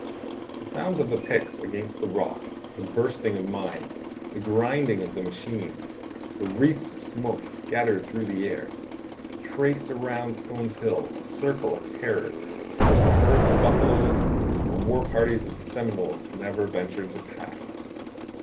The sounds of the picks against the rock, the bursting of mines, the grinding of the machines, the wreaths of smoke scattered through the air, traced around Stones Hill a circle of terror which the herds of buffaloes and the war parties of the Seminoles never ventured to pass.